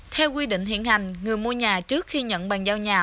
theo quy định hiện hành người mua nhà trước khi nhận bàn giao nhà